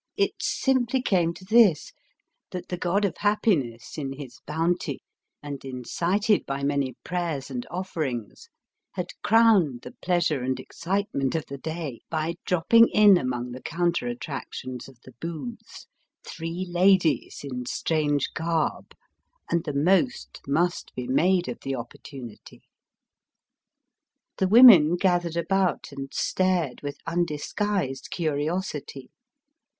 It simply came to this, that the God of Happiness, of his bounty, and incited by many prayers and offerings, had crowned the pleasure and excite ment of the day by dropping in among the counter attractions of the booths three ladies in strange garb, and the most must be made of the opportunity. The women gathered about and stared with undisguised curiosity.